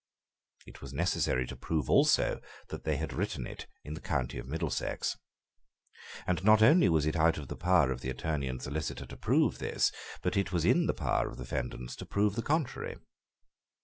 It was necessary to prove also that they had written it in the county of Middlesex. And not only was it out of the power of the Attorney and Solicitor to prove this; but it was in the power of the defendants to prove the contrary.